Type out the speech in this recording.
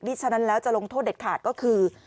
ฉะนั้นแล้วจะลงโทษเด็ดขาดก็คือ